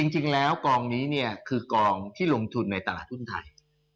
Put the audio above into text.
จริงแล้วกองนี้เนี่ยคือกองที่ลงทุนในตลาดหุ้นไทย